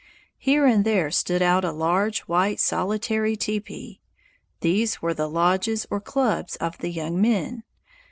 Here and there stood out a large, white, solitary teepee; these were the lodges or "clubs" of the young men.